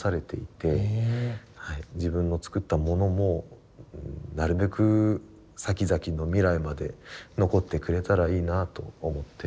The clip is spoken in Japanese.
自分の作ったものもなるべく先々の未来まで残ってくれたらいいなと思って。